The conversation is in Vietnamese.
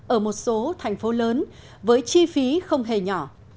ở một số thành phố lớn với chi phí không hề nhỏ